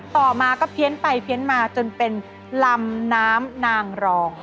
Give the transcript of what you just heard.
ต่อมาก็เพี้ยนไปเพี้ยนมาจนเป็นลำน้ำนางรอง